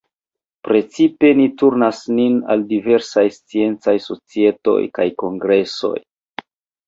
Precipe ni turnas nin al diversaj sciencaj societoj kaj kongresoj.